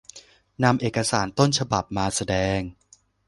นำเอกสารต้นฉบับมาแสดง